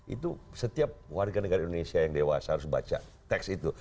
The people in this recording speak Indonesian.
itu setiap warga negara indonesia yang dewasa harus baca teks itu